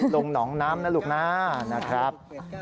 ลงหนองน้ำนะลูกน้านะครับ